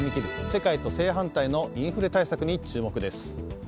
世界と正反対のインフレ対策に注目です。